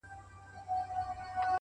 د لرې غږونو نرمه څپه د شپې برخه وي؛